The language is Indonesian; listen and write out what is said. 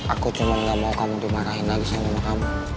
aku cuma gak mau kamu dimarahin lagi sama kamu